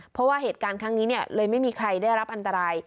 เพราะว่าเหตุการณ์ครั้งนี้เลยไม่มีใครได้รับอันตราย